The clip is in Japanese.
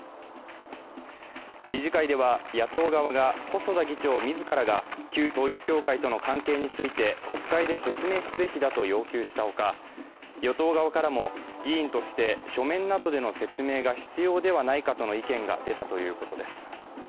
理事会では野党側が細田議長自らが旧統一教会との関係について国会で説明すべきだと要求したほか与党側からも議員として書面などでの説明が必要ではないかとの意見が出たとのことです。